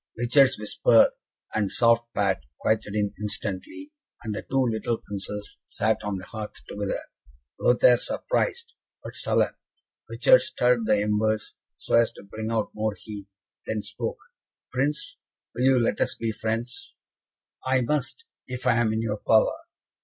Richard's whisper and soft pat quieted him instantly, and the two little Princes sat on the hearth together, Lothaire surprised, but sullen. Richard stirred the embers, so as to bring out more heat, then spoke: "Prince, will you let us be friends?" "I must, if I am in your power."